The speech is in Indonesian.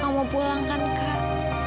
kak kakak mau pulang kan kak